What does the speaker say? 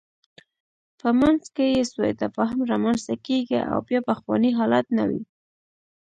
په منځ کې یې سوء تفاهم رامنځته کېږي او بیا پخوانی حالت نه وي.